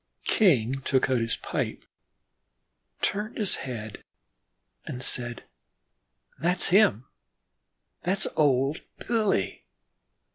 King took out his pipe, turned his head and said: "That's him that's old Billy.